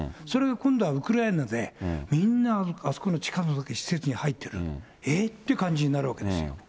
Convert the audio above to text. それが今度はウクライナで、みんなあそこの地下のどこかに施設に入ってる、えっ？っていう感じになるわけですよ。